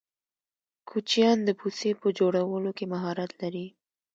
کوچیان د پوڅې په جوړولو کی مهارت لرې.